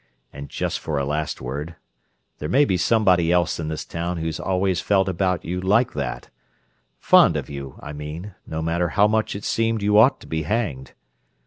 And just for a last word: there may be somebody else in this town who's always felt about you like that—fond of you, I mean, no matter how much it seemed you ought to be hanged.